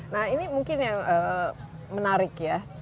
nah ini mungkin yang menarik ya